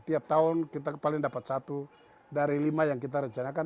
tiap tahun kita paling dapat satu dari lima yang kita rencanakan